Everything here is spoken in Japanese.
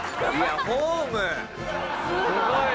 すごいよ！